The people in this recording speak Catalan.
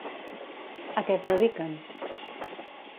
A què es dediquen?